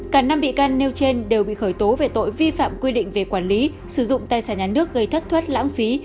cả năm bị can nêu trên đều bị khởi tố về tội vi phạm quy định về quản lý sử dụng tài sản nhà nước gây thất thoát lãng phí